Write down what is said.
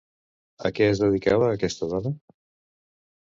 A què es dedicava aquesta dona?